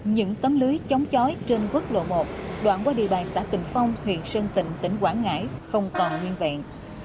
những tấm lưới chống chói trên quốc lộ một đoạn qua địa bàn xã tịnh phong huyện sơn tịnh tỉnh quảng ngãi không còn nguyên vẹn